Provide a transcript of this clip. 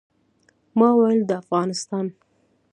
ما ویل د افغانستان.